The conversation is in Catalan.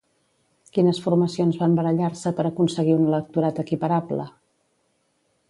Quines formacions van barallar-se per aconseguir un electorat equiparable?